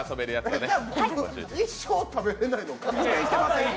俺、一生食べれないの？